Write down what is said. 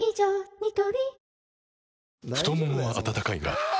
ニトリ太ももは温かいがあ！